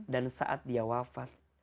dan saat dia wafat